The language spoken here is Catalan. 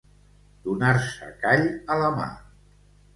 Donar-se call a la mà.